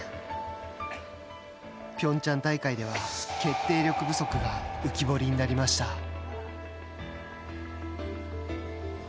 ピョンチャン大会では決定力不足が浮き彫りになりました。